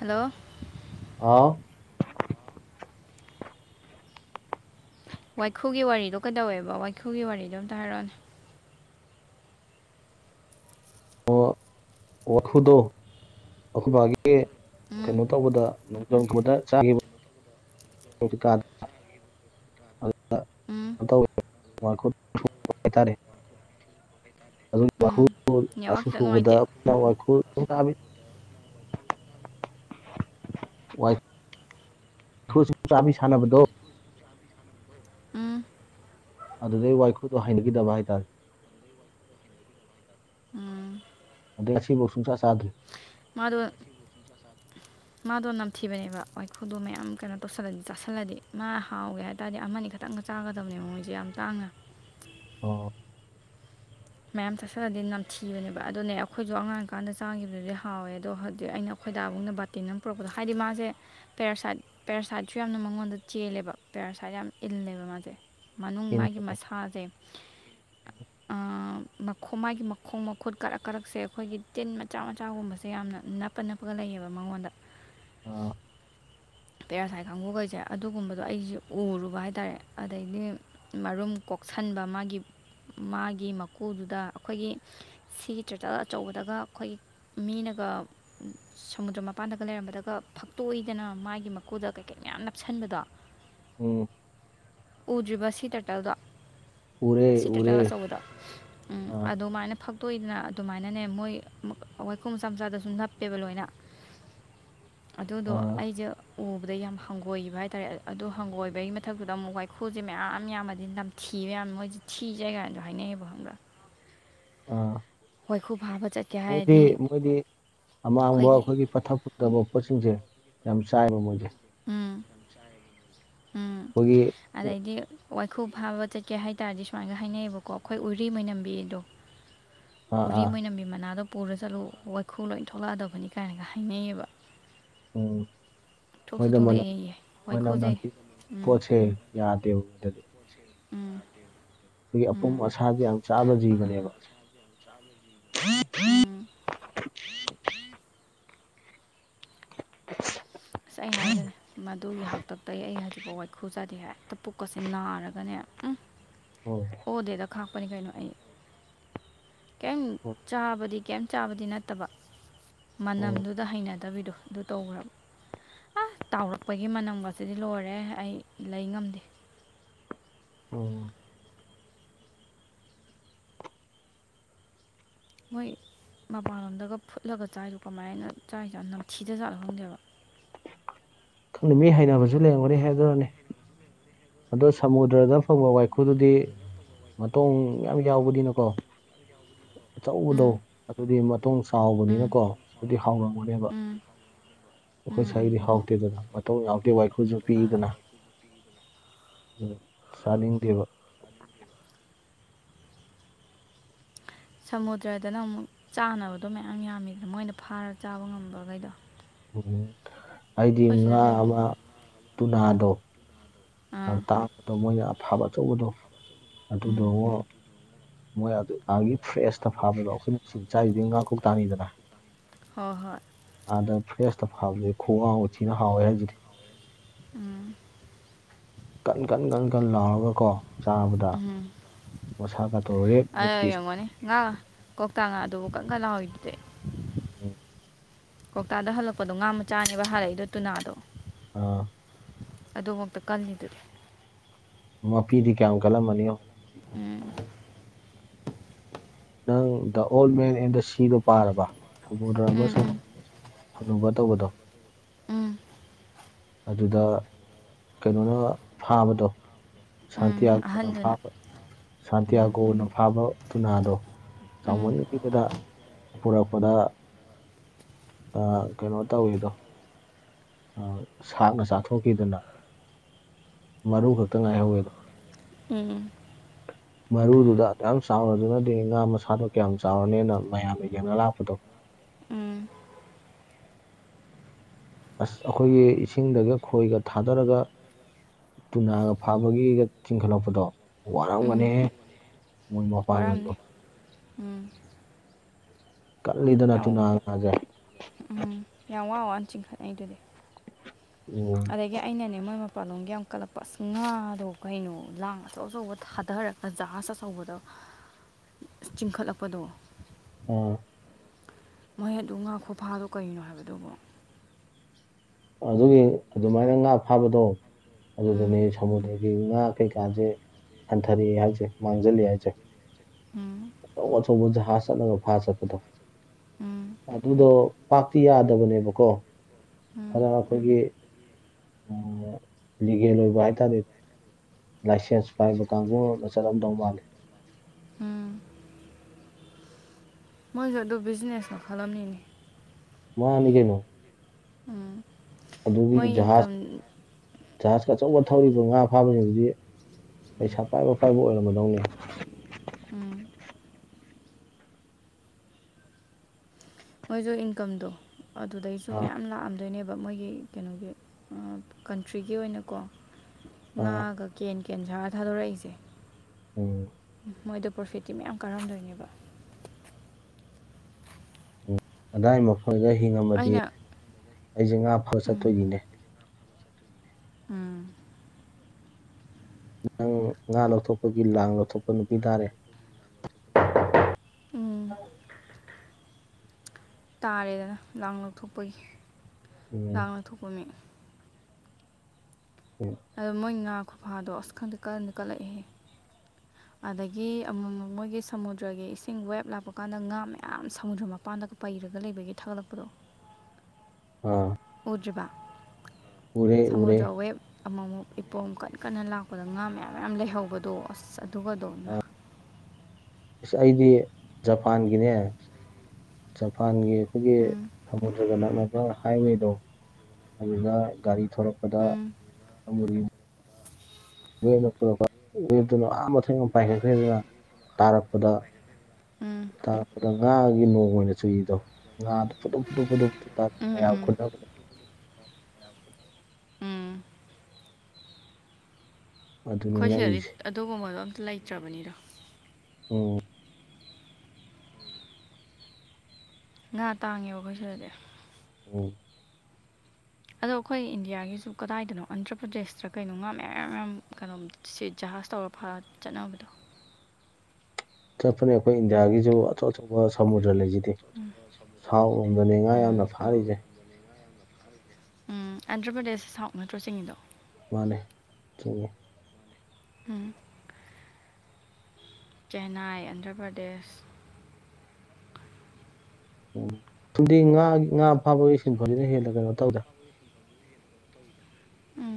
Hello. ꯍꯥꯎ꯫ ꯋꯥꯏꯈꯨꯒꯤ ꯋꯥꯔꯤꯗꯣ ꯀꯩꯗꯧꯋꯦꯕ ꯋꯥꯏꯈꯨꯒꯤ ꯋꯥꯔꯤꯗꯣ ꯑꯝꯇ ꯍꯥꯏꯔꯛꯑꯣꯅꯦ꯫ ꯋꯥꯈꯨꯗꯣ ꯑꯩꯈꯣꯏꯕꯥꯒꯤ ꯎꯝ ꯀꯩꯅꯣ ꯇꯧꯕꯗ [unintelligible] ꯎꯝ [inaudible] [inaudible] ꯎꯝ ꯑ ꯅꯦꯠꯋꯥꯛ ꯈꯤꯇꯪ ꯅꯨꯡꯉꯥꯏꯇꯦ ꯁꯨꯕꯗ [unintelligible] ꯊꯨꯁꯨ ꯆꯥꯕꯤ ꯁꯥꯟꯅꯕꯗꯣ꯫ ꯎꯝ ꯑꯗꯨꯗꯩ ꯋꯥꯏꯈꯨꯗꯣ ꯍꯩꯅꯈꯤꯗꯕ ꯍꯥꯏꯇꯥꯔꯦ꯫ ꯎꯝ ꯑꯗꯩ ꯑꯁꯤꯐꯧ ꯁꯨꯡꯆꯥ ꯆꯥꯗ꯭ꯔꯤ꯫ ꯃꯥꯗꯣ꯫ ꯃꯥꯗꯣ ꯅꯝꯊꯤꯕꯅꯦꯕ ꯋꯥꯏꯈꯨꯗꯣ ꯃꯌꯥꯝ ꯀꯩꯅꯣ ꯇꯧꯁꯜꯂꯗꯤ ꯆꯥꯁꯜꯂꯗꯤ ꯃꯥ ꯍꯥꯎꯒꯦ ꯍꯥꯏ ꯇꯔꯗꯤ ꯑꯃꯅꯤ ꯈꯛꯇꯪ ꯇꯪꯒ ꯆꯥꯒꯗꯕꯅꯦꯕ ꯃꯣꯏꯁꯦ ꯌꯥꯝ ꯇꯥꯡꯅ꯫ ꯑꯣ꯫ ꯃꯌꯥꯝ ꯆꯥꯁꯜꯂꯗꯤ ꯅꯝꯊꯤꯕꯅꯦꯕ ꯑꯗꯨꯅꯦ ꯑꯩꯈꯣꯏꯁꯨ ꯑꯉꯥꯡꯀꯥꯟꯗ ꯆꯥꯈꯤꯕꯗꯨꯗꯤ ꯍꯥꯎꯋꯦ ꯑꯗꯣ ꯍꯧꯖꯤꯛ ꯑꯩꯅ ꯈꯣꯏꯗꯥꯕꯨꯡꯅ ꯕꯥꯇꯤ ꯑꯃ ꯄꯨꯔꯛꯄꯗꯣ ꯍꯥꯏꯗꯤ ꯃꯥꯁꯦ ꯄꯦꯔꯥꯁꯥꯏꯠ ꯄꯦꯔꯥꯁꯥꯏꯠꯁꯨ ꯌꯥꯝꯅ ꯃꯉꯣꯟꯗ ꯆꯦꯜꯂꯦꯕ ꯄꯦꯔꯥꯁꯥꯏꯠ ꯌꯥꯝꯅ ꯏꯜꯂꯦꯕ ꯃꯥꯁꯦ꯫ ꯃꯅꯨꯡ ꯃꯥꯒꯤ ꯏꯟꯕꯅꯦ ꯃꯁꯥꯁꯦ ꯑꯥ꯫ ꯃꯈꯣꯡ ꯃꯥꯥꯏꯒꯤ ꯃꯈꯣꯡ ꯃꯈꯨꯠ ꯀꯥꯔꯛ ꯀꯔꯛꯁꯦ ꯑꯩꯈꯣꯏꯒꯤ ꯇꯤꯟ ꯃꯆꯥ ꯃꯆꯥꯒꯨꯝꯕꯁꯦ ꯌꯥꯝꯅ ꯅꯞꯄꯅꯞ ꯄꯀ ꯂꯩꯌꯦꯕ ꯃꯉꯣꯟꯗ꯫ ꯑꯣ꯫ ꯄꯦꯔꯥꯁꯥꯏꯠ ꯀꯥꯡꯕꯨꯈꯩꯁꯦ ꯑꯗꯨꯒꯨꯝꯕꯗꯣ ꯑꯩꯁꯦ ꯎꯔꯨꯕ ꯍꯥꯏꯇꯥꯔꯦ ꯑꯗꯩꯗꯤ꯫ ꯃꯔꯨꯝ ꯀꯣꯛꯁꯟꯕ ꯃꯥꯒꯤ ꯃꯥꯒꯤ ꯃꯀꯨꯗꯨꯗ ꯑꯩꯈꯣꯏꯒꯤ ꯁꯤꯒꯤ ꯇ꯭ꯔꯦꯇꯔ ꯑꯆꯧꯕꯗꯒ ꯑꯩꯈꯣꯏꯒꯤ ꯃꯤꯅꯒ ꯁꯃꯨꯗ꯭ꯔ ꯃꯄꯥꯟꯗꯒ ꯂꯩꯔꯝꯕꯗꯒ ꯐꯛꯇꯣꯏꯗꯅ ꯃꯥꯒꯤ ꯒꯤ ꯃꯀꯨꯗ ꯀꯩ-ꯀꯩ ꯃꯌꯥꯝ ꯅꯞꯁꯤꯟꯕꯗꯣ ꯎꯝ ꯎꯗ꯭ꯔꯤꯕ ꯁꯤ ꯇꯇꯜꯗꯣ ꯎꯔꯦ ꯁꯤ ꯇꯇꯜ ꯎꯔꯦ ꯑꯆꯧꯕꯗꯣ ꯎꯝ ꯑꯥ ꯑꯗꯨꯃꯥꯏꯅ ꯐꯛꯇꯣꯏꯗꯅ ꯑꯗꯨꯃꯥꯏꯅꯅꯦ ꯃꯣꯏ ꯋꯥꯏꯈꯣ ꯃꯆꯥ ꯃꯆꯥꯗꯁꯨꯨꯝ ꯅꯞꯄꯦꯕ ꯂꯣꯏꯅ ꯑꯗꯨꯗꯣ ꯑꯥ ꯑꯩꯁꯦ ꯎꯕꯗ ꯌꯥꯝ ꯍꯪꯒꯣꯏꯕ ꯍꯥꯏꯇꯥꯔꯦ ꯑꯗꯨ ꯍꯪꯒꯣꯏꯕꯒꯤ ꯃꯊꯛꯇꯗ ꯑꯃꯨꯛ ꯋꯥꯏꯈꯨꯜꯁꯦ ꯃꯌꯥꯝ ꯌꯥꯝꯃꯗꯤ ꯅꯝ ꯊꯤꯕ ꯌꯥꯝ ꯃꯣꯏꯁ ꯊꯤꯖꯦ ꯀꯅꯗꯣ ꯍꯥꯏꯅꯩꯌꯦꯕꯣ ꯈꯪꯕ꯭ꯔꯥ ꯑꯥ ꯋꯥꯣꯏꯈ ꯐꯥꯕꯗ ꯃꯣꯏꯗꯤ ꯃꯣꯏꯗꯤ ꯑꯃꯥꯡꯕ ꯑꯩꯈꯣꯏꯒꯤ ꯄꯠꯊꯛ ꯐꯊꯕ ꯄꯣꯠꯁꯤꯡꯁꯦ ꯌꯥꯝ ꯆꯥꯏꯕ ꯃꯣꯏꯁꯦ ꯎꯝ ꯎꯝ ꯍꯒꯤ ꯑꯗꯩꯗꯤ ꯋꯥꯏꯈꯨ ꯐꯥꯕ ꯆꯠꯀꯦ ꯍꯥꯏꯇꯥꯔꯗꯤ ꯁꯨꯃꯥꯏꯅꯒ ꯍꯥꯏꯅꯩꯌꯦꯕꯀꯣ ꯑꯩꯈꯣꯏ ꯎꯔꯤ ꯃꯅꯝꯕꯤ ꯑꯗꯣ ꯑꯥ ꯎꯔꯤ ꯑꯥ ꯃꯣꯏꯅꯕꯤ ꯃꯅꯥꯗꯣ ꯄꯨꯔ ꯆꯠꯂꯨ ꯋꯥꯏꯈꯨ ꯂꯣꯏ ꯊꯣꯛꯂꯛꯑꯗꯕꯅꯤ ꯀꯥꯏꯅꯒ ꯍꯥꯏꯅꯩꯌꯦꯕ ꯎꯝ ꯊꯣꯛꯁꯨ ꯃꯣꯏꯗ ꯃ ꯊꯣꯛꯂꯛꯑꯦꯌꯦ ꯃꯅꯝ ꯅ ꯋꯥꯏꯈꯨꯁꯦ ꯎꯝ ꯄꯣꯠꯁꯦ ꯌꯥꯗꯦꯕ ꯃꯣꯏꯗꯗꯤ ꯎꯝ ꯑꯩꯈꯣꯏꯒꯤ ꯑꯄꯣ ꯎꯝ ꯑꯁꯥꯗꯨ ꯌꯥꯝ ꯆꯥꯕ ꯑ ꯖꯤꯕꯅꯦꯕ ꯎꯝ [unintelligible] ꯑꯁ ꯑꯩ ꯍꯥꯏꯖꯒ ꯑꯗꯨꯒꯤ ꯍꯥꯛꯇꯛꯇ ꯑꯩ ꯍꯥꯏꯗꯤꯐꯥꯎ ꯋꯥꯏꯈꯨ ꯆꯥꯗꯦ ꯍꯥꯏ ꯍꯦꯛꯇ ꯄꯨꯛꯀꯁꯦ ꯅꯥꯔꯒꯅꯦ ꯎꯝ ꯑꯣ ꯗꯦꯗ ꯈꯥꯛꯄꯅꯤ ꯀꯩꯅꯣ ꯑꯩ ꯀꯩꯝ ꯑꯣ ꯆꯥꯕꯗꯤ ꯀꯩꯝ ꯆꯥꯕꯗꯤ ꯅꯠꯇꯕ ꯑꯣ ꯃꯅꯝꯗꯨꯗ ꯍꯩꯅꯗꯕꯤꯗꯣ ꯑꯗꯨ ꯇꯧꯈ꯭ꯔꯕ ꯑ ꯇꯥꯎꯔꯛꯄꯒꯤ ꯃꯅꯝꯒꯕꯁꯤꯗꯤ ꯂꯣꯏꯔꯦ ꯑꯩ ꯂꯩ ꯉꯝꯗꯦ ꯑꯣ ꯃꯣꯏ ꯃꯄꯥꯟꯂꯣꯝꯗꯒ ꯐꯨꯠꯂꯒ ꯆꯥꯏꯁꯨ ꯀꯃꯥꯏꯅ ꯆꯥꯏꯁꯨ ꯅꯝꯊꯤꯗ ꯆꯥꯠꯂ ꯈꯪꯗꯦꯕ ꯈꯪꯅ ꯃꯤ ꯍꯥꯏꯩꯅꯅꯕꯁꯨ ꯂꯩꯔꯝꯒꯅꯤ ꯍꯥꯏꯗꯔꯅꯦ ꯑꯗꯣ ꯁꯃꯨꯗ꯭ꯔꯗ ꯐꯪꯕ ꯋꯥꯏꯈꯨꯗꯨꯗꯤ ꯃꯇꯣꯡ ꯌꯥꯝ ꯌꯥꯎꯕꯅꯤꯅꯀꯣ ꯑꯆꯧꯕꯗꯣ ꯎꯝ ꯑꯗꯨꯗꯤ ꯃꯇꯨꯡ ꯎꯝ ꯆꯥꯎꯕꯅꯤꯅꯀꯣ ꯑꯗꯨꯗꯤ ꯍꯥꯎꯔꯝꯒꯅꯦꯕ ꯎꯝ ꯑꯩꯈꯣꯏ ꯎꯝ ꯁ꯭ꯋꯥꯥꯏꯒꯤꯗꯤ ꯍꯥꯎꯇꯦꯗꯅ ꯃꯇꯧ ꯌꯥꯎꯗꯦ ꯋꯥꯏꯈꯨꯜꯁꯨ ꯎꯝ ꯑ, ꯄꯤꯗꯅ ꯆꯥꯅꯤꯡꯗꯦꯕ ꯁꯃꯨꯗ꯭ꯔꯗꯅ ꯑꯃꯨꯛ ꯆꯥꯅꯕꯗꯣ ꯃꯌꯥꯝ ꯌꯥꯝꯃꯤꯗꯅ ꯃꯣꯏꯅ ꯐꯥꯔꯒ ꯆꯥꯕ ꯉꯝꯕꯈꯩꯗꯣ ꯎꯝ ꯑꯩꯗꯤ ꯑꯩꯈꯣꯏ ꯁꯤꯗ ꯉꯥ ꯂꯩꯕꯗꯨꯗꯤ ꯑꯃ ꯇꯨꯅꯥꯗꯣ ꯑꯥ ꯇꯥꯡꯕꯗꯣ ꯃꯣꯏꯅ ꯑꯐꯕ ꯑꯆꯧꯕꯗꯣ ꯑꯗꯨꯗꯣ ꯑꯃꯛ ꯑꯗꯨ ꯃꯣꯏ ꯑꯗꯨ ꯃꯥꯒꯤ ꯐ꯭ꯔꯦꯁꯇ ꯐꯥꯕꯗꯣ ꯑꯩꯈꯣꯏꯅ ꯆ ꯆꯥꯏꯁꯤꯗꯤ ꯉꯥ ꯀꯣꯛ ꯇꯥꯅꯤꯗꯅ ꯍꯣꯏ ꯍꯣꯏ ꯑꯥꯗ ꯐ꯭ꯔꯦꯁꯇ ꯐꯥꯎꯗꯦ ꯈꯣꯡ ꯊꯤꯅ ꯍꯥꯎꯋꯦ ꯍꯥꯏꯖꯤꯗꯤ ꯎꯝ ꯀꯟ ꯀꯟ ꯀꯟ ꯀꯟ ꯂꯥꯎꯔꯒꯀꯣ ꯆꯥꯕꯗ ꯎꯝ ꯃꯁꯥ ꯀꯥꯊꯣꯛ ꯔꯦ ꯃꯤꯠꯀꯤ ꯑꯣꯏꯔꯝꯒꯅꯤ ꯀꯧꯇ ꯉꯥꯁꯨ ꯀꯟ ꯀꯟ ꯂꯥꯎꯔꯤꯗꯨꯗꯤ ꯀꯧꯇꯥꯗ ꯍꯜꯂꯛꯄꯗꯣ ꯉꯥꯃ ꯆꯥꯅꯦꯕ ꯍꯥꯏꯔꯛꯏꯗꯣ ꯇꯨꯅꯥꯗꯣ ꯑ ꯑꯗꯨꯃꯛꯇ ꯀꯜꯂꯤꯗꯨꯗꯤ ꯃꯄꯤꯗꯤ ꯀꯌꯥꯝꯨ ꯀꯜꯂꯝꯃꯅꯤ ꯌꯦꯡꯉꯣ ꯑꯦꯝ ꯅꯪ ꯗ ꯑꯣꯜ ꯃꯦꯟ ꯑꯦꯟ ꯗ ꯁꯤꯗꯣ ꯄꯥꯔꯕ ꯁꯃꯨꯗ꯭ꯔ ꯑꯃꯁꯨꯡ ꯎꯝ ꯍꯪꯅꯤꯡꯕ ꯇꯧꯕꯗꯣ ꯎꯝ ꯎꯝ ꯑꯗꯨꯗ ꯀꯩꯅꯣꯅ ꯐꯥꯕꯗꯣ ꯁꯥꯟꯇꯤ ꯎꯝ ꯌꯥꯗꯕꯅ ꯑꯍꯟꯗꯨꯅ ꯐꯥꯕ ꯎꯝ ꯁꯥꯟꯇꯤꯌꯥꯒꯣꯅ ꯐꯥꯕ ꯊꯨꯅꯥꯗꯣ ꯎꯝ ꯆꯥꯎꯃꯟꯒꯤꯗꯅ ꯄꯨꯔꯛꯄꯗ ꯑ ꯀꯩꯅꯣ ꯇꯧꯋꯗꯣ ꯁꯥꯛꯅ ꯆꯥꯊꯣꯛꯈꯤꯗꯅ ꯃꯔꯨ ꯈꯛꯇ ꯉꯥꯏꯍꯧꯋꯦꯗꯣ ꯎꯝ ꯃꯔꯨꯗꯨꯗ ꯌꯥꯝ ꯆꯥꯎꯅꯗꯨꯅꯗꯤ ꯉꯥ ꯃꯁꯥꯗꯣ ꯀꯌꯥꯝ ꯆꯥꯎꯔꯅꯤꯅ ꯃꯌꯥꯝꯅ ꯌꯦꯡꯅ ꯂꯥꯛꯄꯗꯣ ꯎꯝ ꯑꯁ ꯑꯩꯈꯣꯏꯒꯤ ꯏꯁꯤꯡꯗꯒ ꯈꯣꯏꯒ ꯊꯥꯗꯔꯒ ꯇꯨꯅꯥꯒ ꯐꯥꯕꯒꯤꯒ ꯆꯤꯡꯈꯠꯂꯛꯄꯗꯣ ꯎꯝ ꯋꯥꯔꯝꯒꯅꯤꯍꯦ ꯃꯣꯏ ꯃꯄꯥꯡꯒꯜꯗꯣ ꯋꯥꯔꯝꯅꯤ ꯎꯝ ꯀꯂꯤꯗꯅ ꯊꯨꯅ ꯌꯥꯝ ꯉꯥꯖꯦ ꯎꯝ ꯌꯥꯝ ꯋꯥ ꯋꯥꯅ ꯆꯤꯡꯈꯠꯅꯩꯗꯨꯗꯤ ꯎꯝ ꯑꯗꯒꯤ ꯑꯩꯅꯅꯦ ꯃꯣꯏ ꯃ ꯄꯥꯂꯣꯝꯒꯤ ꯌꯥꯝ ꯀꯠꯂꯛꯄ ꯑ ꯉꯥꯗꯣ ꯀꯩꯅꯣ ꯂꯥꯡ ꯑꯆꯧ ꯑꯆꯧꯕ ꯊꯥꯗꯔꯒ ꯖꯍꯥꯖ ꯑꯆꯧꯕꯗ ꯆꯤꯡꯈꯠꯂꯛꯄꯗꯣ ꯑꯣ ꯃꯣꯏ ꯑꯗꯨ ꯉꯥ ꯈꯨꯐꯥꯗꯣ ꯀꯔꯤꯅꯣ ꯍꯥꯏꯕꯗꯨꯕꯨ ꯑꯗꯨꯒꯤ ꯑꯗꯨꯃꯥꯏꯅ ꯉꯥ ꯐꯥꯕꯗꯣ ꯑꯗꯨꯗꯅꯦ ꯎꯝ ꯁꯃꯨꯗ꯭ꯔꯒꯤ ꯉꯥ ꯀꯩꯀꯥꯁꯦ ꯍꯟꯊꯔꯛꯑꯦ ꯍꯥꯏꯁꯦ ꯃꯥꯡꯁꯤꯜꯂꯤ ꯍꯥꯏꯁꯦ ꯎꯝ ꯑꯆꯧ ꯑꯆꯧꯕ ꯖꯍꯥꯖ ꯆꯠꯂꯒ ꯐꯥ ꯆꯠꯄꯗꯣ ꯎꯝ ꯑꯗꯨꯗꯣ ꯄꯥꯛꯇꯤ ꯌꯥꯗꯕꯅꯦꯕꯀꯣ ꯎꯝ ꯈꯔ ꯑꯩꯈꯣꯏꯒꯤ ꯎꯝ ꯂꯤꯒꯦꯜ ꯑꯣꯏꯕ ꯍꯥꯏꯇꯥꯔꯦ ꯂꯥꯏꯁꯦꯟꯁ ꯄꯥꯏꯕ ꯀꯥꯡꯕꯨꯅ ꯆꯠꯂꯝꯗꯧ ꯃꯥꯜꯂꯦ ꯎꯝ ꯃꯣꯏꯁꯨ ꯑꯗꯨ ꯕꯤꯖꯤꯅꯦꯁ ꯃꯈꯜ ꯑꯃꯅꯤꯅꯦ ꯃꯥꯟꯅꯤ ꯀꯦꯅꯣ ꯎꯝ ꯑꯗꯨꯒꯤ ꯃꯣꯏ ꯖꯍꯥꯖ ꯏꯟꯀꯝ ꯖꯍꯥꯖꯀ ꯑꯆꯧꯕ ꯊꯧꯔꯤꯕ ꯉꯥ ꯐꯥꯕꯁꯤꯡ ꯑꯗꯨꯗꯤ ꯄꯩꯁꯥ ꯄꯥꯏꯕ ꯄꯥꯏꯕ ꯑꯣꯏꯔꯝꯃꯗꯧꯅꯤ ꯎꯝ ꯃꯣꯏꯁꯨ ꯏꯟꯀꯝꯗꯣ ꯑꯗꯨꯗꯩꯁꯨ ꯑꯥ ꯃꯌꯥꯝ ꯂꯥꯛꯑꯝꯗꯣꯏꯅꯦꯕ ꯃꯣꯏꯒꯤ ꯀꯩꯅꯣꯒꯤ ꯀꯟꯇ꯭ꯔꯤꯒꯤ ꯑꯣꯏꯅꯀꯣ ꯑꯥ ꯉꯥꯒ ꯀꯦꯟ ꯀꯦꯟ ꯁꯥꯔ ꯊꯥꯗꯣꯔꯛꯏꯁꯦ ꯎꯝ ꯃꯣꯏꯗ ꯄ꯭ꯔꯣꯐꯤꯠꯇꯤ ꯃꯌꯥꯝ ꯀꯥꯔꯝꯗꯣꯏꯅꯦꯕ ꯎꯝ ꯑꯗꯥꯏ ꯃꯣꯏꯒ ꯍꯤꯡꯉꯝꯃꯗꯤ ꯑꯩꯅ ꯑꯩꯁꯦ ꯉꯥ ꯐꯕ ꯎꯝ ꯆꯠꯇꯣꯏꯅꯤꯅꯦ ꯎꯝ ꯅꯪ ꯉꯥ ꯂꯧꯊꯣꯛꯄꯒꯤ ꯂꯥꯡ ꯂꯧꯊꯣꯛꯄ ꯅꯨꯄꯤ ꯇꯥꯔꯦ ꯎꯝ ꯇꯥꯔꯦꯗꯅ ꯂꯥꯡ ꯂꯧꯊꯣꯛꯄꯒꯤ ꯎꯝ ꯂꯥꯡ ꯂꯧꯊꯣꯛꯄ ꯃꯤ ꯎꯝ ꯑꯗꯣ ꯃꯣꯏ ꯉꯥ ꯈꯨꯐꯥꯗꯣ ꯑꯁ ꯈꯪꯗ ꯀꯟꯗꯤ ꯀꯠꯂꯛꯏꯦꯍꯦ ꯑꯗꯒꯤ ꯑꯃꯨꯛ ꯃꯨꯛ ꯃꯣꯏꯒꯤ ꯁꯃꯨꯗ꯭ꯔꯒꯤ ꯏꯁꯤꯡ ꯋꯦꯞ ꯂꯥꯛꯄ ꯀꯥꯟꯗ ꯉꯥ ꯃꯌꯥꯝ ꯁꯃꯨꯗ꯭ꯔ ꯃꯄꯥꯟꯗ ꯄꯩꯔꯒ ꯂꯩꯕꯒꯤ ꯊꯥꯒꯠꯂꯛꯄꯗꯣ ꯑ ꯎꯗ꯭ꯔꯤꯕ ꯎꯔꯦ ꯁꯃꯨꯗ꯭ꯔ ꯋꯦꯞ ꯑꯃꯃꯨꯛ ꯏꯄꯣꯝ ꯀꯟꯅ ꯀꯟꯅ ꯂꯥꯛꯄꯗ ꯉꯥ ꯃꯌꯥꯝ ꯃꯌꯥꯝ ꯂꯩꯍꯧꯕꯗꯣ ꯑꯁ ꯑꯗꯨꯒꯗꯧꯃ ꯏꯁ ꯑꯩꯗꯤ ꯖꯄꯥꯟꯒꯤꯅꯦ ꯖꯄꯥꯟꯒꯤ ꯑꯩꯈꯣꯏꯒꯤ ꯎꯝ ꯁꯃꯨꯗ꯭ꯔꯒ ꯅꯛꯅꯕ ꯍꯥꯏꯋꯦꯗꯣ ꯑꯗꯨꯒ ꯒꯥꯔꯤ ꯊꯣꯔꯛꯄꯗ ꯎꯝ ꯑꯃ [unintelligible] ꯋꯦꯅ ꯄꯨꯔꯛꯄ ꯋꯦꯠꯇꯅ ꯑꯍꯥꯟꯕ ꯊꯦꯡꯅ ꯄꯥꯏꯈꯠꯈ꯭ꯔꯦꯗꯅ ꯇꯥꯔꯛꯄꯗ ꯎꯝ ꯇꯥꯄꯗ ꯉꯥꯒꯤ ꯅꯣꯡ ꯑꯣꯏꯅ ꯆꯨꯏꯑꯗꯣ ꯉꯥꯗ ꯐꯨꯇꯣꯛ ꯐꯨꯇꯣꯛ ꯐꯨꯛ ꯇꯥꯔꯛ ꯎꯝ ꯃꯌꯥꯝ ꯎꯝ ꯈꯨꯟꯅꯕꯗꯣ ꯎꯝ ꯑꯗꯨꯅꯤ ꯑꯩꯈꯣꯏꯁꯦ ꯍꯥꯏꯗꯤ ꯉꯛꯏꯁꯦ ꯑꯗꯨꯒꯨꯝꯕꯗꯣ ꯑꯝꯇ ꯂꯩꯇ꯭ꯔꯕꯅꯤꯔꯣ ꯑꯣ ꯉꯥ ꯇꯥꯡꯉꯦꯕ ꯑꯩꯈꯣꯏ ꯁꯤꯗꯗꯤ ꯎꯝ ꯑꯗꯣ ꯑꯩꯈꯣꯏ ꯏꯟꯗꯤꯌꯥꯒꯤꯁꯨ ꯀꯗꯥꯏꯗꯅꯣ ꯑꯟꯗ꯭ꯔ ꯄ꯭ꯔꯗꯦꯁꯇ꯭ꯔ ꯀꯩꯅꯣ ꯉꯥ ꯃꯌꯥꯝ ꯌꯥꯝꯌꯥꯝ ꯀꯩꯅꯣꯝꯇ ꯁꯤ ꯖꯍꯥꯖ ꯇꯧꯔ ꯆꯠꯅꯕꯗꯣ ꯆꯠꯄꯅꯦ ꯑꯩꯈꯣꯏ ꯏꯟꯗꯤꯌꯥꯒꯤꯁꯨ ꯑꯇꯣꯞ ꯑꯇꯣꯞꯄ ꯁꯃꯨꯗ꯭ꯔ ꯂꯩꯁꯤ ꯁꯥꯎꯔꯣꯝꯗꯅꯦ ꯉꯥ ꯎꯝ ꯌꯥꯝꯅ ꯐꯥꯔꯤꯁꯦ ꯑꯟꯗ꯭ꯔ ꯄ꯭ꯔꯗꯦꯁ ꯁꯥꯎꯠ ꯅꯠꯇ꯭ꯔꯣ ꯆꯤꯡꯅꯤꯗꯣ ꯃꯥꯅꯦ ꯆꯨꯝꯉꯦ ꯍꯝ ꯆꯦꯟꯅꯥꯏ ꯑꯟꯗ꯭ꯔ ꯄ꯭ꯔꯗꯦꯁ ꯎꯝ ꯁꯨꯝꯗꯤ ꯉꯥꯒꯤ ꯉꯥ ꯐꯥꯕꯒꯤ ꯁꯤꯟꯐꯝꯁꯤꯅ ꯍꯦꯟꯅ ꯀꯩꯅꯣ ꯇꯧꯗ꯭ꯔꯦ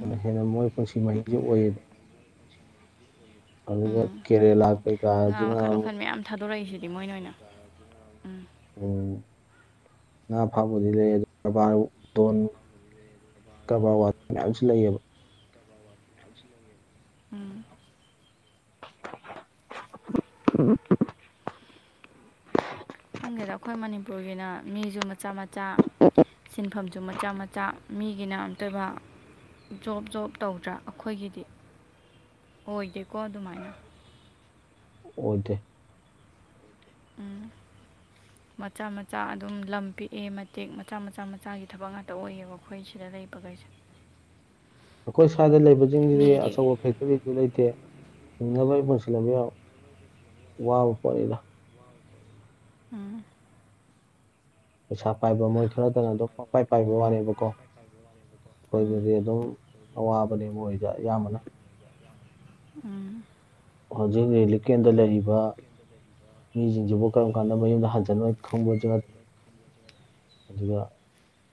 ꯑꯗꯨꯗ ꯍꯦꯟꯅ ꯃꯣꯏ ꯄꯨꯟꯁꯤ ꯃꯍꯩꯁꯦ ꯑꯣꯏꯌꯦꯕ ꯑꯗꯨ ꯎꯝ ꯀꯦꯔꯂꯥ ꯉꯥ ꯀꯩꯀꯥꯖꯤꯅ ꯃꯈꯜ ꯃꯈꯜ ꯃꯌꯥꯝ ꯊꯥꯗꯣꯔꯛꯏꯁꯤꯗꯤ ꯃꯣꯏꯅ ꯑꯣꯏꯅ ꯎꯝ ꯎꯝ ꯉꯥ ꯐꯥꯕꯗꯤ ꯂꯩ ꯑꯗꯨ ꯀꯕꯥꯣꯟ ꯀꯕꯥꯔ ꯋꯥꯇ ꯃꯌꯥꯝꯁꯨ ꯂꯩꯌꯦꯕ ꯎꯝ ꯎꯝ [inaudible] ꯈꯪꯒꯦꯗ ꯑꯩꯈꯣꯏ ꯃꯅꯤꯄꯨꯔꯒꯤꯅ ꯃꯤꯁꯨ ꯃꯆꯥ ꯃꯆꯥ ꯁꯤꯟꯐꯝꯁꯨ ꯃꯆꯥ ꯃꯆꯥ ꯃꯤꯒꯤꯅ ꯑꯝꯇꯕ ꯖꯣꯕ ꯖꯣꯕ ꯇꯧꯗ꯭ꯔꯥ ꯑꯩꯈꯣꯏꯒꯤꯗꯤ ꯑꯣꯏꯒꯦꯀꯣ ꯑꯗꯨꯃꯥꯏꯅ ꯑꯣꯗ ꯎꯝ ꯃꯆꯥ ꯃꯆꯥ ꯑꯗꯨꯝ ꯂꯝ ꯄꯤꯛꯑꯦ ꯃꯇꯦꯛ ꯃꯆꯥ ꯃꯆꯥ ꯃꯆꯥꯒꯤ ꯊꯕꯛ ꯉꯥꯛꯇ ꯑꯣꯏꯌꯦꯕ ꯑꯩꯈꯣꯏ ꯁꯤꯗ ꯂꯩꯕꯈꯩꯁꯦ ꯑꯩꯈꯣꯏ ꯁ꯭ꯋꯥꯏꯗ ꯂꯩꯕꯁꯤꯡꯁꯤꯗꯤ ꯃꯤꯒꯤꯗꯤ ꯑꯆꯧꯕ ꯐꯦꯛꯇꯔꯤ ꯑꯗꯨ ꯂꯩꯇꯦ ꯍꯤꯡꯅꯕꯩ ꯄꯨꯟꯁꯤꯜꯕ ꯌꯥꯝ ꯋꯥꯕ ꯄꯣꯠꯅꯤꯗ ꯎꯝ ꯄꯩꯁꯥ ꯄꯥꯏꯕ ꯃꯣꯏ ꯈꯔꯗꯅ ꯑꯗꯨꯝ ꯄꯄꯥꯏ ꯄꯥꯏꯕꯒꯤ ꯋꯥꯅꯦꯕꯀꯣ ꯎꯝ ꯑꯩꯈꯣꯏꯗꯗꯤ ꯑꯗꯨꯝ ꯑꯋꯥꯕꯅꯦ ꯃꯣꯏꯗ ꯑꯌꯥꯝꯕꯅ ꯑꯝ ꯍꯧꯖꯤꯛ ꯔꯔꯤꯂꯤꯀꯦꯟꯗ ꯂꯩꯔꯤꯕ ꯃꯤꯁꯤꯡꯁꯤꯕꯨ ꯀꯔꯝ ꯀꯥꯟꯗ ꯃꯌꯨꯝꯗ ꯍꯟꯖꯅꯣꯏ ꯈꯪꯕꯁꯨ ꯅꯠꯇꯦ ꯑꯗꯨꯒ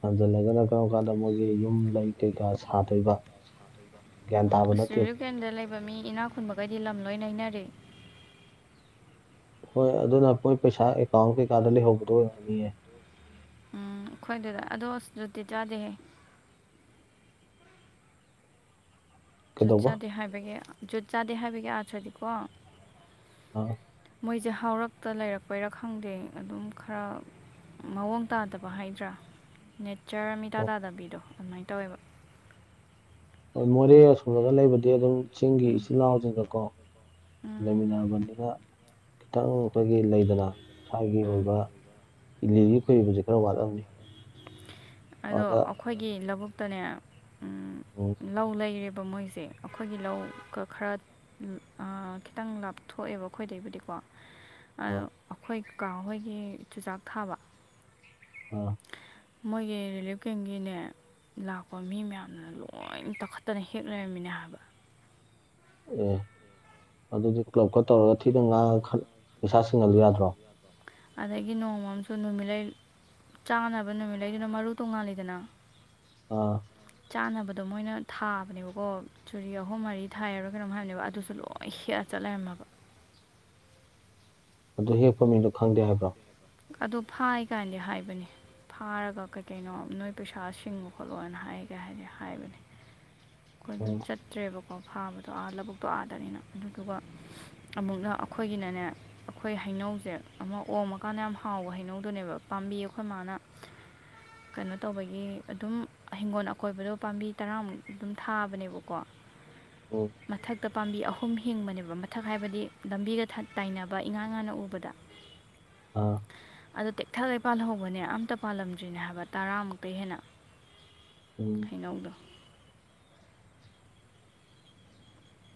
ꯍꯟꯖꯜꯂꯒꯅ ꯀꯔꯝ ꯀꯥꯟꯗ ꯃꯣꯏꯒꯤ ꯌꯨꯝ ꯂꯩ ꯀꯩꯀꯥ ꯁꯥꯗꯣꯏꯕ ꯭ꯌꯥꯟ ꯇꯥꯕ ꯅꯠꯇꯦ ꯏꯄꯦꯟꯗ ꯂꯩꯕ ꯃꯤ ꯏꯅꯥ ꯈꯨꯟꯕꯒꯩꯗꯤ ꯂꯝ ꯂꯣꯏ ꯅꯩꯅꯔꯦ ꯍꯣꯏ ꯑꯗꯨꯅ ꯑꯩꯈꯣꯏ ꯄꯩꯁꯥ ꯑꯦꯀꯥꯎꯟ ꯀꯩꯀꯥꯗ ꯂꯩꯍꯧꯕꯗꯣ ꯑꯣꯏꯔꯝꯅꯤꯌꯦ ꯎꯝ ꯑꯩꯈꯣꯏꯗꯨꯗ ꯑꯗꯣ ꯑꯁ ꯨꯇꯤ ꯆꯥꯗꯦꯍꯦ ꯖꯨꯠ ꯀꯩꯗꯧꯕ ꯆꯥꯗꯦ ꯍꯥꯏꯕꯒꯤ ꯖꯨꯠ ꯆꯥꯗꯦ ꯍꯥꯏꯕꯒꯤ ꯑꯥꯊ꯭ꯔꯗꯤꯀꯣ ꯑꯣ ꯃꯣꯏꯁꯦ ꯍꯔꯛꯇ ꯂꯩꯔꯛꯄꯩꯔꯥ ꯈꯪꯗꯦ ꯑꯗꯨꯝ ꯈꯔ ꯃꯑꯣꯡ ꯇꯥꯗꯕ ꯍꯥꯏꯗ꯭ꯔꯥ ꯅꯦꯆꯔ ꯃꯤꯇꯥ ꯇꯥꯗꯕꯤꯗꯣ ꯑꯗꯨꯃꯥꯏꯅ ꯇꯧꯋꯦꯕ ꯍꯣꯏ ꯐꯦꯃꯤꯂꯤ ꯃꯣꯔꯦ ꯑꯁꯣꯝꯂꯒ ꯂꯩꯕꯗꯤ ꯑꯗꯨꯝ ꯆꯤꯡꯒꯤ ꯏꯆꯤꯜ ꯏꯅꯥꯎꯁꯤꯡꯒꯀꯣ ꯎꯝ ꯂꯩꯃꯤꯟꯅꯔꯕꯅꯤꯅ ꯈꯤꯇꯪ ꯑꯩꯈꯣꯏꯒꯤ ꯂꯩꯗꯅ ꯁ꯭ꯋꯥꯏꯒꯤ ꯎꯝ ꯑꯣꯏꯕ ꯏꯂꯤꯒꯤ ꯈꯣꯏꯕꯁꯦ ꯈꯔ ꯋꯥꯠꯂꯕꯅꯤ ꯑꯗꯣ ꯑꯩꯈꯣꯏꯒꯤ ꯂꯧꯕꯨꯛꯇꯅꯦ ꯎꯝ ꯂꯧ ꯂꯩꯔꯦꯕ ꯃꯣꯏꯁꯦ ꯑꯩꯈꯣꯏꯒꯤ ꯂꯧꯒ ꯈꯔ ꯈꯤꯇꯪ ꯂꯥꯞꯊꯣꯛꯑꯦꯕ ꯑꯩꯈꯣꯏꯗꯩꯕꯨꯗꯤꯀꯣ ꯑ ꯑꯩꯈꯣꯏꯀꯥ ꯍꯣꯏꯒꯤ ꯆꯨꯖꯥꯛ ꯊꯥꯕ ꯑꯣ ꯃꯣꯏꯒꯤ ꯔꯤꯂꯤꯐ ꯀꯦꯝꯒꯤꯅꯦ ꯂꯥꯛꯄ ꯃꯤ ꯃꯌꯥꯝꯗꯨꯅ ꯂꯣꯏ ꯇꯛꯈꯠꯇꯅ ꯍꯦꯛ ꯂꯩꯔꯝꯃꯤꯅꯦ ꯍꯥꯏꯕ ꯑꯦ ꯑꯗꯨꯗꯤ ꯀ꯭ꯂꯕꯀ ꯇꯧꯔꯒ ꯊꯤꯅ ꯉꯥꯡꯉꯒ ꯄꯩꯁꯥ ꯁꯤꯡꯍꯜꯂꯨ ꯌꯥꯗ꯭ꯔꯣ ꯑꯗꯒꯤ ꯅꯣꯡꯃꯁꯨ ꯅꯨꯃꯤꯠꯂꯩ ꯆꯥꯅꯕ ꯅꯨꯃꯤꯠ ꯂꯩꯗꯨꯅ ꯃꯔꯨ ꯇꯣꯡꯉꯥꯜꯂꯤꯗꯅ ꯑꯥ ꯆꯥꯅꯕꯗꯣ ꯃꯣꯏꯅ ꯊꯥꯕꯅꯦꯕꯀꯣ ꯆꯨꯔꯤ ꯑꯍꯨꯝ ꯃꯔꯤ ꯊꯥꯏꯔꯔꯣꯏ ꯀꯩꯅꯣꯝ ꯍꯥꯏꯕꯅꯦꯕ ꯑꯗꯨꯁꯨ ꯂꯣꯛꯑꯣ ꯁꯦꯛꯑꯒ ꯆꯠ ꯂꯩꯔꯝꯃꯕ ꯑꯗꯨ ꯍꯦꯛꯄ ꯃꯤꯗꯣ ꯈꯪꯗꯦ ꯍꯥꯏꯕ꯭ꯔꯣ ꯑꯗꯨ ꯐꯥꯏ ꯀꯥꯏꯗꯤ ꯍꯥꯏꯕꯅꯦ ꯐꯥꯔꯒ ꯀꯩ ꯀꯩꯅꯣ ꯅꯣꯏ ꯄꯩꯁꯥ ꯁꯤꯡꯉꯣ ꯈꯣꯠꯂꯣꯅ ꯍꯥꯏꯒꯦ ꯍꯥꯏꯗꯤ ꯍꯥꯏꯕꯅꯤ ꯎꯝ ꯑꯩꯈꯣꯏꯁꯨ ꯆꯠꯇ꯭ꯔꯦꯕꯀꯣ ꯐꯥꯕꯗꯣ ꯑꯥ ꯂꯧꯕꯨꯛꯇꯣ ꯑꯥꯗꯅꯤꯅ ꯑꯗꯨꯗꯨꯒ ꯑꯃꯨꯛꯅ ꯑꯩꯈꯣꯏꯒꯤꯅꯅꯦ ꯑꯩꯈꯣꯏ ꯍꯩꯅꯧꯁꯦ ꯑꯃ ꯑꯣꯝꯃꯀꯥꯟꯗ ꯌꯥꯝ ꯍꯥꯎꯕ ꯍꯩꯅꯧꯗꯨꯅꯦꯕ ꯄꯥꯝꯕꯤ ꯑꯩꯈꯣꯏ ꯃꯥꯅ ꯀꯩꯅꯣ ꯇꯧꯕꯒꯤ ꯑꯗꯨꯝ ꯍꯤꯡꯒꯣꯜ ꯑꯀꯣꯏꯕꯗꯣ ꯄꯥꯝꯕꯤ ꯇꯔꯥꯃꯨꯛ ꯑꯗꯨꯝ ꯊꯥꯕꯅꯦꯕꯀꯣ ꯎꯝ ꯃꯊꯛꯇ ꯄꯥꯝꯕꯤ ꯑꯍꯨꯝ ꯍꯤꯡꯕꯅꯦꯕ ꯃꯊꯛ ꯍꯥꯏꯕꯗꯤ ꯂꯝꯕꯤꯒ ꯇꯥꯏꯅꯕ ꯏꯉꯥꯡ ꯉꯥꯅ ꯎꯕꯗ [unintelligible] ꯑꯥ ꯑꯗꯨ ꯇꯦꯛꯊꯛꯂꯩ ꯄꯥꯜꯍꯧꯕꯅꯦ ꯑꯝꯇ ꯄꯥꯜꯂꯝꯗ꯭ꯔꯤꯅꯦ ꯍꯥꯏꯕ ꯇꯔꯥꯃꯨꯛꯛꯇꯩ ꯍꯦꯟꯅ [inaudible] ꯎꯝ ꯑꯩꯅꯧꯗꯣ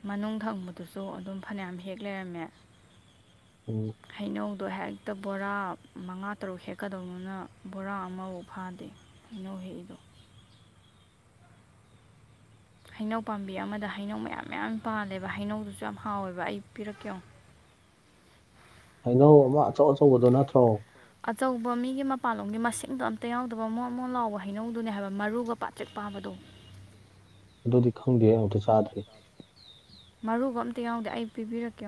ꯃꯅꯨꯡ ꯊꯪꯕꯗꯨꯁꯨ ꯑꯗꯨꯝ ꯐꯅꯌꯥꯝ ꯍꯦꯛ ꯂꯩꯔꯝꯃꯦ ꯎꯝ ꯍꯩꯅꯧꯗꯣ ꯍꯦꯛꯇ ꯕꯣꯔꯥ ꯃꯉꯥ ꯇꯔꯨꯛ ꯍꯦꯛꯀꯗꯧꯅꯤꯅ ꯕꯣꯔꯥ ꯑꯃꯐꯥꯎ ꯐꯥꯗꯦ ꯏꯅꯧ ꯍꯦꯛꯗ ꯍꯩꯅꯧ ꯄꯥꯝꯕꯤ ꯑꯃꯗ ꯍꯩꯅꯧ ꯃꯌꯥꯝ-ꯃꯌꯥꯝ ꯄꯥꯜꯂꯦꯕ ꯍꯩꯅꯧꯗꯨꯁꯨ ꯌꯥꯝ ꯍꯥꯎꯋꯦꯕ ꯑꯩ ꯄꯤꯔꯛꯀꯦ ꯌꯦꯡꯎ ꯍꯩꯅꯧ ꯑꯃ ꯑꯆꯧ ꯑꯆꯧꯕꯗꯣ ꯅꯠꯇ꯭ꯔꯣ ꯑꯆꯧꯕ ꯃꯤꯒꯤ ꯃꯄꯥꯟꯂꯣꯝꯒꯤ ꯃꯁꯤꯡꯗꯣ ꯑꯝꯇ ꯌꯥꯎꯗꯕ ꯑꯃꯣꯠ ꯑꯃꯨꯛ ꯂꯥꯎꯕ ꯍꯩꯅꯧꯗꯨꯅꯦ ꯍꯥꯏꯕ ꯃꯔꯨꯒ ꯄꯥꯠ ꯆꯦꯛ ꯄꯥꯕꯗꯣ ꯑꯗꯨꯗꯤ ꯈꯪꯗꯦ ꯑꯃꯨꯛꯇ ꯆꯥꯗ꯭ꯔꯔꯤ ꯃꯔꯨꯒ ꯑꯝꯇ ꯌꯥꯎꯗꯦ ꯑꯩ ꯄꯤꯕꯤꯔꯛꯀꯦ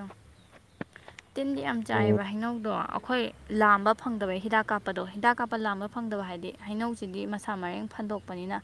ꯇꯤꯟꯒꯤ ꯌꯥꯝ ꯎꯝ ꯆꯥꯏꯕ ꯍꯩꯅꯧꯗꯣ ꯑꯩꯈꯣꯏ ꯂꯥꯝꯕ ꯐꯪꯗꯕ ꯍꯤꯗꯥꯛ ꯀꯥꯞꯄꯗꯣ ꯍꯤꯗꯥꯛ ꯀꯥꯞꯄ ꯂꯥꯝꯕ ꯐꯪꯗꯕ ꯍꯥꯏꯗꯤ ꯍꯩꯅꯧꯁꯤꯗꯤ ꯃꯁꯥ ꯃꯔꯦꯡ ꯐꯟꯗꯣꯛꯄꯅꯤꯅ